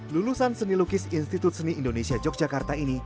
lulusan seni lukis institut seni indonesia yogyakarta ini